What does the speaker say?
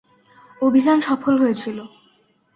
অভিযান সফল হয়েছিল।